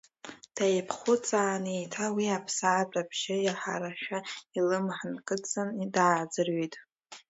Дааиԥхьхәыцаан, еиҭа уи аԥсаатә абжьы иаҳарашәа илымҳа нкыдҵан дааӡырҩит.